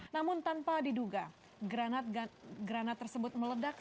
namun tanpa diduga granat tersebut meledak